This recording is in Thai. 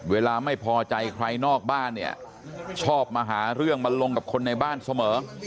เวลาไม่พอใจใครนอกบ้านเนี่ยชอบมาหาเรื่องมาลงกับคนในบ้านเสมอ